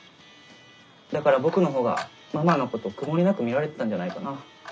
だから僕のほうがママのこと曇りなく見られてたんじゃないかな。